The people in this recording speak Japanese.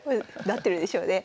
なってるでしょうね。